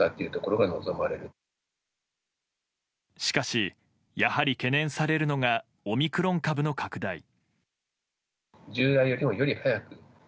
しかし、やはり懸念されるのがオミクロン株の拡大。